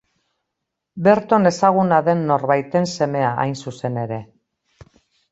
Berton ezaguna den norbaiten semea hain zuzen ere.